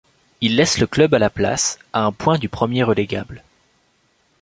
Il laisse le club à la place, à un point du premier relégable.